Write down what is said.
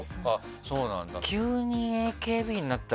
そうなんだ。